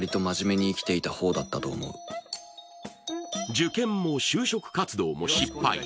受験も就職活動も失敗。